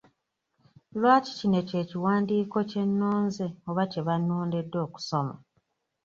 Lwaki kino kye kiwandiiko kye nnonze oba kye bannondedde okusoma?